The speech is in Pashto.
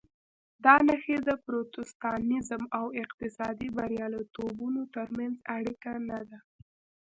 دا نښې د پروتستانېزم او اقتصادي بریالیتوبونو ترمنځ اړیکه نه ده.